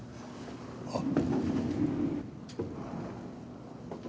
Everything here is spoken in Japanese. あっ。